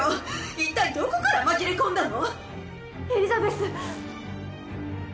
一体どこから紛れ込んだの⁉エリザベス！